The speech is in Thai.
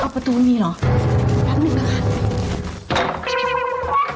ประตูมีเหรอแป๊บหนึ่งนะคะ